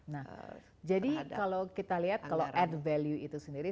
nah jadi kalau kita lihat kalau ad value itu sendiri